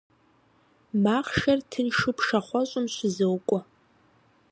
Махъшэр тыншу пшахъуэщӀым щызокӀуэ.